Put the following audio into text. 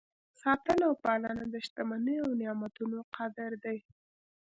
ساتنه او پالنه د شتمنۍ او نعمتونو قدر دی.